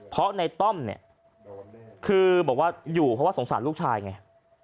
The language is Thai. เพราะในต้อมเนี่ยคือบอกว่าอยู่เพราะว่าสงสารลูกชายไง